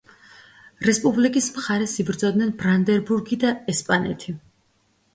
რესპუბლიკის მხარეს იბრძოდნენ ბრანდენბურგი და ესპანეთი.